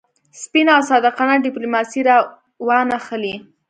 سپینه او صادقانه ډیپلوماسي را وانه خلي.